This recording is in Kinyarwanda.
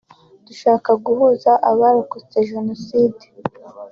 Dushaka guhuza abarokotse Jenoside